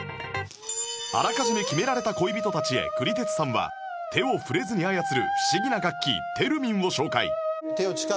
あらかじめ決められた恋人たちへクリテツさんは手を触れずに操る不思議な楽器テルミンを紹介